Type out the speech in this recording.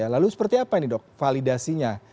lalu seperti apa ini dok validasinya